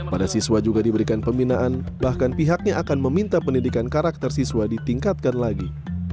pada siswa juga diberikan pembinaan bahkan pihaknya akan meminta pendidikan karakter siswa ditingkatkan lagi